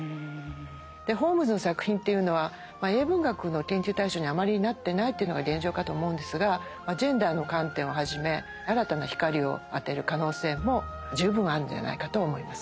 ホームズの作品というのは英文学の研究対象にはあまりなってないというのが現状かと思うんですがジェンダーの観点をはじめ新たな光を当てる可能性も十分あるんじゃないかと思います。